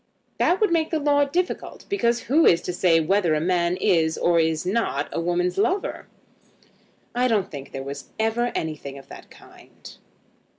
"That would make the law difficult, because who is to say whether a man is or is not a woman's lover?" "I don't think there was ever anything of that kind."